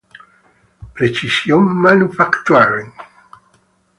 Precision Manufacturing.